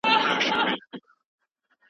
خلکو له ډېر پخوا څخه د سوله ييز ژوند تمه کوله.